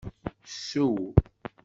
Ssew.